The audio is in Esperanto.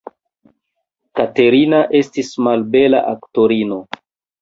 Katerina estis malbela aktorino.